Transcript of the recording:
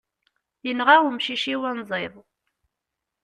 Yenɣa umcic-iw anziḍ.